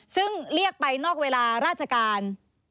ซึ่งเรียกไปนอกเวลาราชการ